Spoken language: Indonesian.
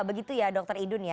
begitu ya dr idun ya